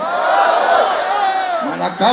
manakala penyimpangan dari kebenaran